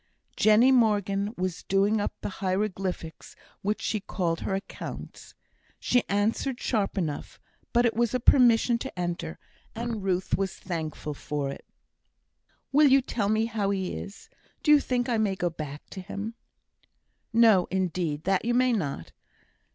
Jenny Morgan was doing up the hieroglyphics which she called her accounts; she answered sharply enough, but it was a permission to enter, and Ruth was thankful for it. "Will you tell me how he is? Do you think I may go back to him?" "No, indeed, that you may not.